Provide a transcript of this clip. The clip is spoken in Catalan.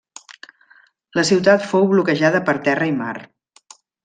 La ciutat fou bloquejada per terra i mar.